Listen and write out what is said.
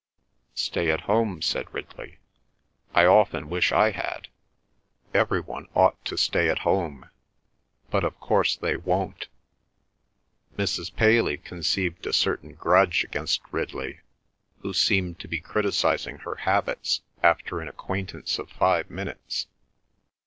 "Stay at home," said Ridley. "I often wish I had! Everyone ought to stay at home. But, of course, they won't." Mrs. Paley conceived a certain grudge against Ridley, who seemed to be criticising her habits after an acquaintance of five minutes.